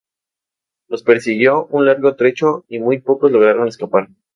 Los persiguió un largo trecho y muy pocos lograron escapar.